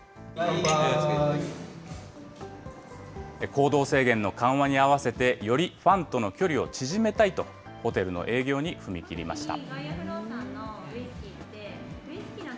行動制限の緩和に合わせて、よりファンとの距離を縮めたいと、ホテルの営業に踏み切りました。